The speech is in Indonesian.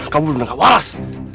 kamu bener bener waras